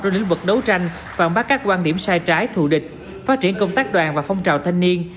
trong lĩnh vực đấu tranh phản bác các quan điểm sai trái thù địch phát triển công tác đoàn và phong trào thanh niên